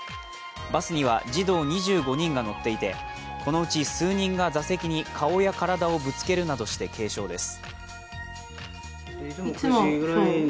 バスには児童２５人が乗っていてこのうち数人が座席に顔や体をぶつけるなどして軽傷です。